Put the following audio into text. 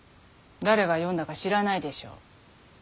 誰が詠んだか知らないでしょう。